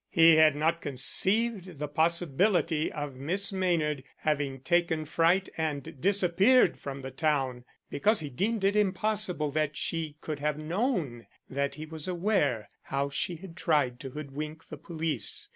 He had not conceived the possibility of Miss Maynard having taken fright and disappeared from the town, because he deemed it impossible that she could have known that he was aware how she had tried to hoodwink the police.